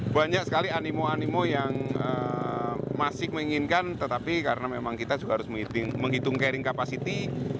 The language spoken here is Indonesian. banyak sekali animo animo yang masih menginginkan tetapi karena memang kita juga harus menghitung carry capacity